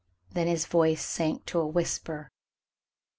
Then his voice sank to a whisper.